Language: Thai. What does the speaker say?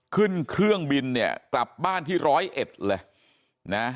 ขึ้นเครื่องบินเนี่ยกลับบ้านที่ร้อยเอ็ดเลยนะ